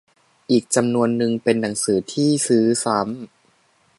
อีกจำนวนนึงเป็นหนังสือที่ซื้อซ้ำ